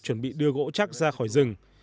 chuẩn bị đưa gỗ chắc ra khỏi rừng